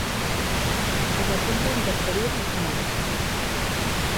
Ata o punto de interferir non.